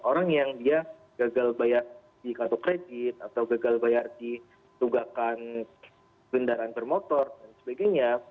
orang yang dia gagal bayar di kartu kredit atau gagal bayar di tugakan kendaraan bermotor dan sebagainya